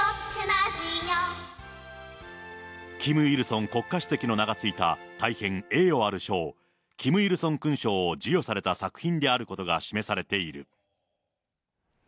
キム・イルソン国家主席の名が付いた大変栄誉ある賞、キム・イルソン勲章を授与された作品であることが示されている。